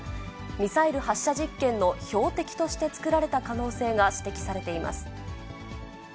ミサイル発射実験の標的として造られた可能性が指摘されています。